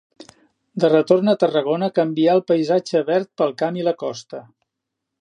De retorn a Tarragona canvià el paisatge verd pel camp i la costa.